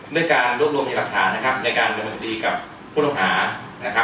ด้วยการรวบรวมทีหลักฐานในการดำเนินคดีกับผู้ต้องหา